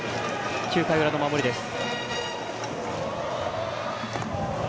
９回裏の守りです。